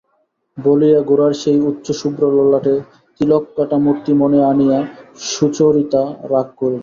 বলিয়া গোরার সেই উচ্চ শুভ্র ললাটে তিলক-কাটা মূর্তি মনে আনিয়া সুচরিতা রাগ করিল।